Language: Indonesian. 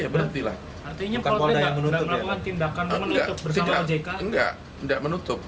artinya pola daya tidak melakukan tindakan menutup bersama pjk